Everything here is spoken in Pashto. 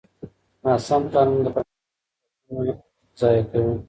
ناسم پلانونه د پرمختګ فرصتونه ضایع کوي.